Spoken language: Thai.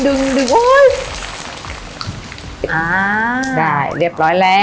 อ่าได้เรียบร้อยแล้ว